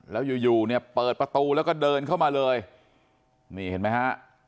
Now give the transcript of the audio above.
แล้วอยู่อยู่เนี่ยเปิดประตูแล้วก็เดินเข้ามาเลยนี่เห็นไหมฮะ